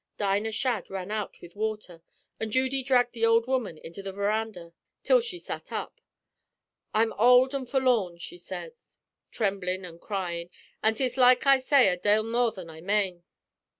Dinah Shadd ran out with water, an' Judy dhragged the ould woman into the veranda till she sat up. "'I'm old an' forlorn,' she sez, tremblin' an' cryin', 'an' 'tis like I say a dale more than I mane.'